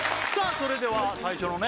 それでは最初のね